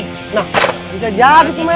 nah bisa jadi tuh men